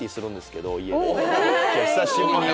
久しぶりに。